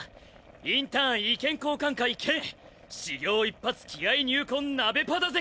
「インターン意見交換会」兼「始業一発気合入魂鍋パだぜ！